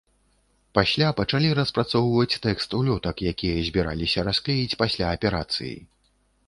Пасля пачалі распрацоўваць тэкст улётак, якія збіраліся расклеіць пасля аперацыі.